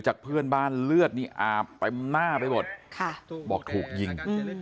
เพื่อนบ้านเลือดนี่อาบเต็มหน้าไปหมดบอกถูกยิง